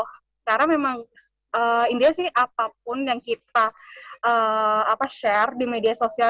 karena memang indah sih apapun yang kita share di media sosial